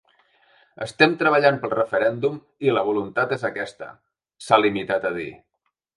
“Estem treballant pel referèndum i la voluntat és aquesta”, s’ha limitat a dir.